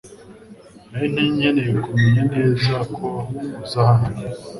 Nari nkeneye kumenya neza ko uza hano .